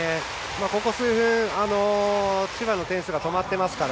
ここ数分、千葉の点数が止まってますから。